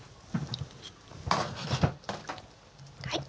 はい！